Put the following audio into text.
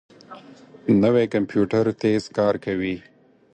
نوی کمپیوټر تېز کار کوي